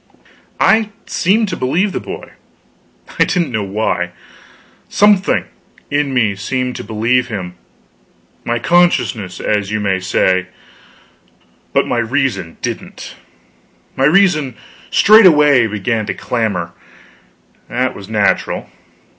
I seemed to believe the boy, I didn't know why. Something in me seemed to believe him my consciousness, as you may say; but my reason didn't. My reason straightway began to clamor; that was natural.